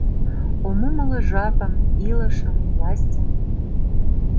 Ом умыло жапым, илышым, властьым!